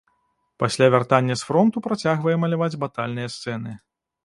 Пасля вяртання з фронту працягвае маляваць батальныя сцэны.